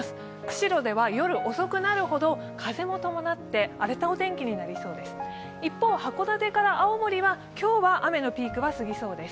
釧路では夜遅くなるほど、風も伴って荒れたお天気になりそうです。